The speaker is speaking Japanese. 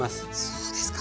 そうですか。